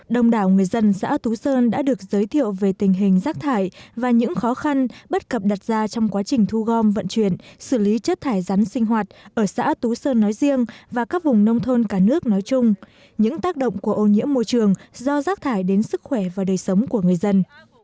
đồng đảo người dân xã tú sơn đã được giới thiệu về tình hình rác thải và những khó khăn bất cập đặt ra trong quá trình thu gom vận chuyển xử lý chất thải rắn sinh hoạt ở xã tú sơn nói riêng và các vùng nông thôn cả nước nói chung những tác động của ô nhiễm môi trường do rác thải đến sức khỏe và đời sống của người dân